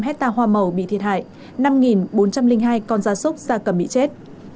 hai năm trăm hai mươi năm hecta hoa màu bị thiệt hại năm bốn trăm linh hai con da súc ra cầm bị chết